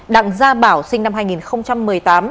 đặng gia bảo sinh năm hai nghìn một mươi tám